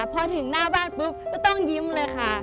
พอถึงหน้าบ้านปุ๊บก็ต้องยิ้มเลยค่ะ